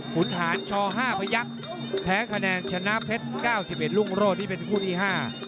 ขุนหารชอ๕พยักษ์แพ้คะแนนชนะเพชรเก้าสิบเอ็ดรุ่งโรดนี่เป็นคู่ที่ห้า